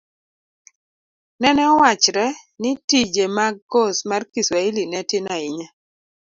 nene owachre ni tije mag kos mar kiswahili ne tin ahinya.